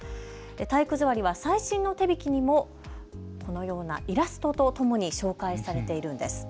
体育座りは最新の手引にもこのようなイラストとともに紹介されているんです。